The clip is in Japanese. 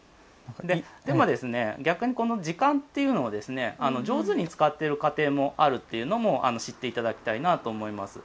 でも、逆にこの時間っていうのを上手に使っている家庭もあるっていうのも知っていただきたいなと思います。